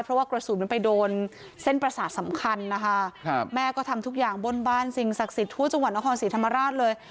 เพราะว่ากระสุนมันไปโดนเส้นประสาทสำคัญนะคะครับแม่ก็ทำทุกอย่างบนบ้านสิ่งศักดิ์สิทธิ์ทั่วจังหวัดนครศรีธรรมราชเลย